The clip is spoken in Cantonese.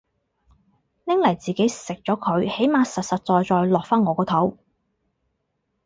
拎嚟自己食咗佢起碼實實在在落返我個肚